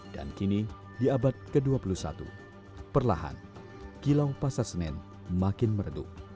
dan kini di abad ke dua puluh satu perlahan kilau pasar senen semakin meredup